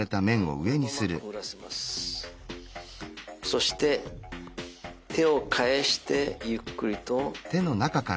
そして手を返してゆっくりと。